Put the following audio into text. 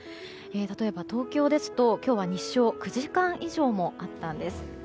例えば東京ですと、今日は日照が９時間以上もあったんです。